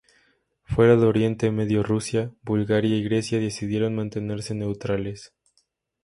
Fuera de oriente medio Rusia, Bulgaria y Grecia decidieron mantenerse neutrales.